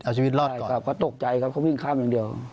เอาชีวิตรอดได้ครับเขาตกใจครับเขาวิ่งข้ามอย่างเดียว